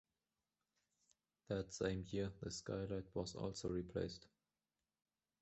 That same year, the skylight was also replaced.